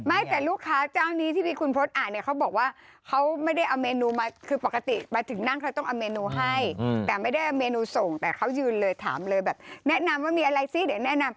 ไม่แต่ลูกค้าเจ้านี้ที่มีคุณพศอ่านเนี่ยเขาบอกว่าเขาไม่ได้เอาเมนูมาคือปกติมาถึงนั่งเขาต้องเอาเมนูให้แต่ไม่ได้เอาเมนูส่งแต่เขายืนเลยถามเลยแบบแนะนำว่ามีอะไรซิเดี๋ยวแนะนำ